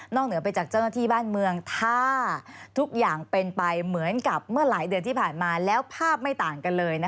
นอกเหนือไปจากเจ้าหน้าที่บ้านเมือง